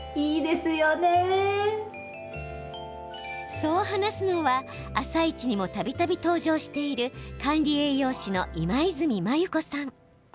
そう話すのは「あさイチ」にもたびたび登場している管理栄養士の今泉マユ子さん。